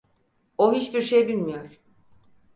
O hiçbir şey bilmiyor.